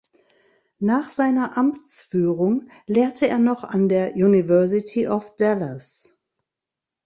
Nach seiner Amtsführung lehrte er noch an der University of Dallas.